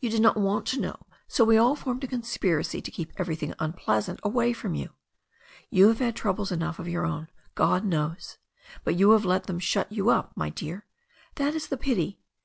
You did not want to know, so we all formed a conspiracy to keep ever)rthing unpleaslant away from you. You have had troubles enough of your own, God knows. But you have let them shut you up, my dear. That is the pity.